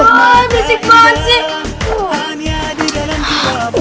wah berisik banget sih